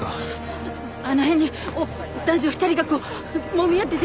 あの辺に男女２人がこうもみ合ってて。